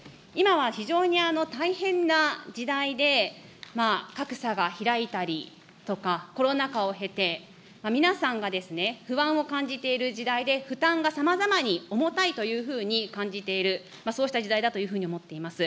今は非常に大変な時代で、格差が開いたりとか、コロナ禍を経て、皆さんが不安を感じている時代で、負担がさまざまに重たいというふうに感じている、そうした事態だというふうに思っています。